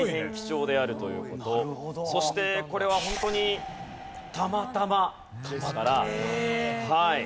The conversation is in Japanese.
そしてこれはホントにたまたまですからはい。